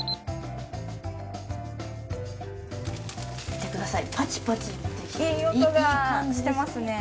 見てくださいパチパチいい音がしてますね